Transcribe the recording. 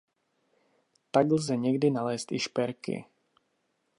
Tak lze někdy nalézt i šperky.